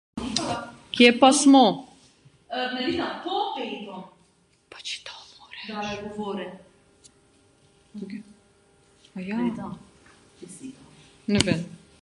Kje pa smo?